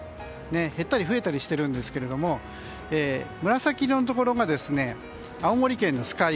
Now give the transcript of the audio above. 減ったり増えたりしているんですが紫のところが青森県の酸ヶ湯。